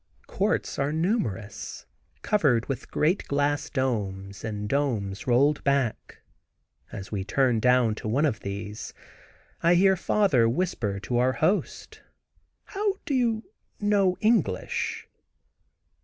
Courts are numerous, covered with great glass domes and domes rolled back. As we turn down to one of these I hear father whisper to our host, "How do you know English?"